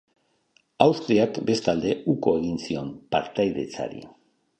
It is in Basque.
Austriak, bestalde, uko egin zion partaidetzari.